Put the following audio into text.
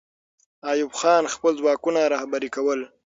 ایوب خان خپل ځواکونه رهبري کوله.